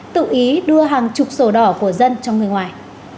tự ý đưa hàng chục sổ đỏ của dân trong người ngoài